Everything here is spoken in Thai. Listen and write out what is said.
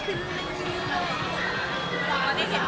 ก็คือพี่ที่อยู่เชียงใหม่พี่อธค่ะ